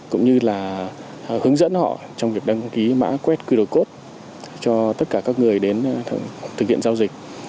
cũng như là hướng dẫn họ trong việc đăng ký mã quét quy đổi cốt cho tất cả các người đến thực hiện giao dịch